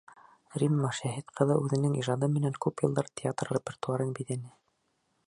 Рима Шәһит ҡыҙы үҙенең ижады менән күп йылдар театр репертуарын биҙәне.